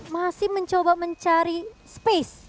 masih mencoba mencari space